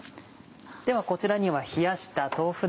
ではこちらには冷やした豆腐